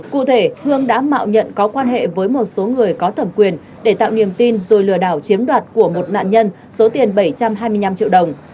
cụ thể hương đã mạo nhận có quan hệ với một số người có thẩm quyền để tạo niềm tin rồi lừa đảo chiếm đoạt của một nạn nhân số tiền bảy trăm hai mươi năm triệu đồng